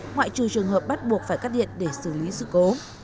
ngoại trừ trường hợp bắt buộc phải cắt điện để xử lý sự cố